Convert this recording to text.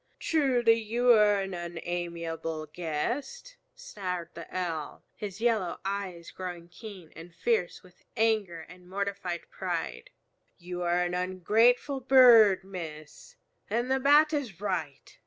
"Truly, you are an unamiable guest," snarled the Owl, his yellow eyes growing keen and fierce with anger and mortified pride. "You are an ungrateful bird, Miss, and the Bat is right.